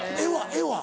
絵は？